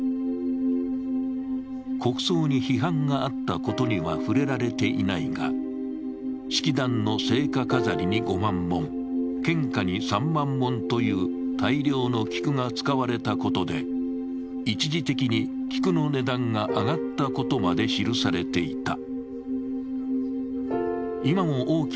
国葬に批判があったことには触れられていないが、式壇の生花飾りに５万本、献花に３万本という大量の菊が使われたことで一時的に菊の値段が上がったことまで記されていた。